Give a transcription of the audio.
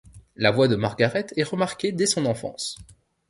La voix de Margaret est remarquée dès son enfance.